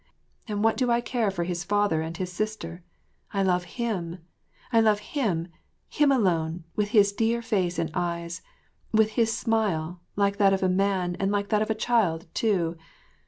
" And what do I care for his father and his sister ? I love him. I love him, him alone, with his dear face and eyes, with his smile, like that of a man and like that of a child too.